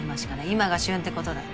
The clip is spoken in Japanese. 今が旬ってことだ。